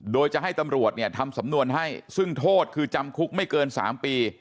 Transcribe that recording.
โดยจะให้ตำรวจเนี่ยทำสำนวนให้ซึ่งโทษคือจำคุกไม่เกิน๓ปี